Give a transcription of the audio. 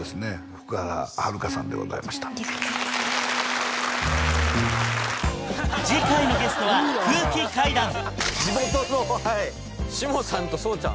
福原遥さんでございましたありがとうございます次回のゲストは空気階段地元のはいしもさんとそうちゃん